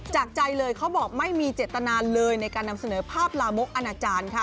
จากใจเลยเขาบอกไม่มีเจตนาเลยในการนำเสนอภาพลามกอนาจารย์ค่ะ